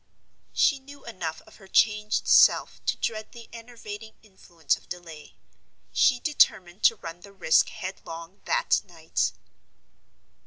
She knew enough of her changed self to dread the enervating influence of delay. She determined to run the risk headlong that night.